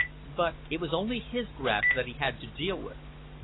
But it was only his own grass that he had to deal with.